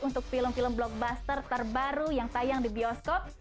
untuk film film blockbuster terbaru yang tayang di bioskop